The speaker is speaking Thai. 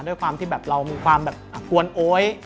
ด้วยความที่แบบเรามีความแบบกวนโอ๊ย